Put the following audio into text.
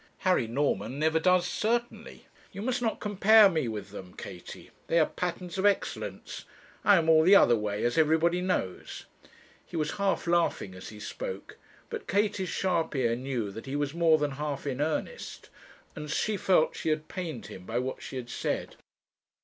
'Harry Norman never does, certainly. You must not compare me with them, Katie. They are patterns of excellence. I am all the other way, as everybody knows.' He was half laughing as he spoke, but Katie's sharp ear knew that he was more than half in earnest, and she felt she had pained him by what she had said.